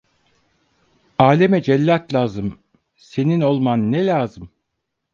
Aleme cellat lazım; senin olman ne lazım?